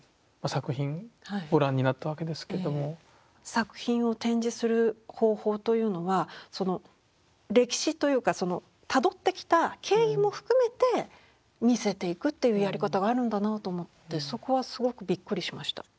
作品を展示する方法というのはその歴史というかそのたどってきた経緯も含めて見せていくっていうやり方があるんだなと思ってそこはすごくびっくりしました。